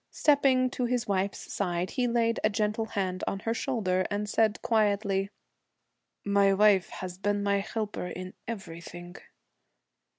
Stepping to his wife's side, he laid a gentle hand on her shoulder, and said quietly, 'My wife has been my helper in everything.'